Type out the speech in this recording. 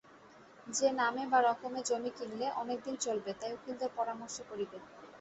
যে নামে বা রকমে জমি কিনলে অনেক দিন চলবে, তাই উকিলদের পরামর্শে করিবে।